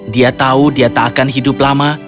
dia tahu dia tak akan hidup lama